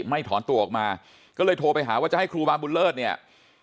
ไม่ถอนตัวออกมาก็เลยโทรไปหาว่าจะให้ครูบาบุญเลิศเนี่ย